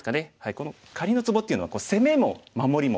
このかりんのツボっていうのは攻めも守りも。